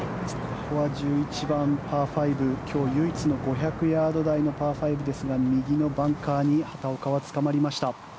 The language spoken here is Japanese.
ここは１１番、パー５唯一の５００ヤード台のパー５ですが右のバンカーに畑岡はつかまりました。